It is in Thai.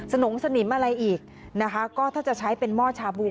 นงสนิมอะไรอีกนะคะก็ถ้าจะใช้เป็นหม้อชาบู